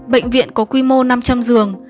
bệnh viện có quy mô năm trăm linh giường